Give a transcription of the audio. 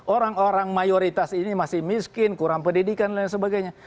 orang orang mayoritas ini masih miskin kurang pendidikan dan lain sebagainya